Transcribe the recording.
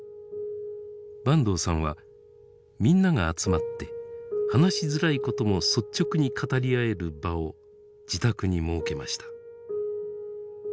坂東さんはみんなが集まって話しづらいことも率直に語り合える場を自宅に設けました。